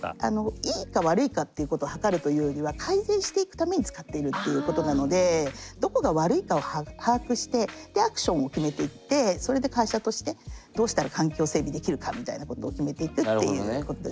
いいか悪いかっていうことを測るというよりはどこが悪いかを把握してでアクションを決めていってそれで会社としてどうしたら環境整備できるかみたいなことを決めていくっていうことですね。